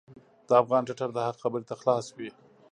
د افغان ټټر د حق خبرې ته خلاص وي.